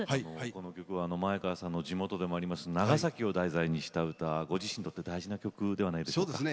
この曲は前川さんの地元でもあります長崎を題材にした歌ご自身にとって大事な曲ではないですか？